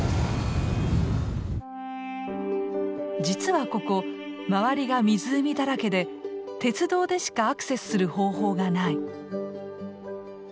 実はここ周りが湖だらけで鉄道でしかアクセスする方法がない。